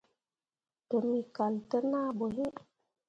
Tǝmmi kal te naa ɓoyin.